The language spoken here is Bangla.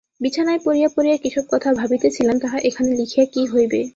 বিছানায় পড়িয়া পড়িয়া কী-সব কথা ভাবিতেছিলাম তাহা এখানে লিখিয়া কী হইবে।